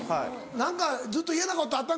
何かずっと嫌なことあったん？